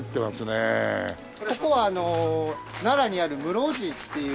ここは奈良にある室生寺っていう。